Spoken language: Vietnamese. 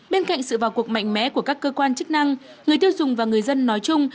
bên cạnh sự vào cuộc mạnh mẽ của các cơ quan chức năng người tiêu dùng và người dân nói chung